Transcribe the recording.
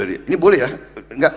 ini boleh ya